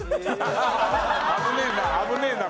危ねえな。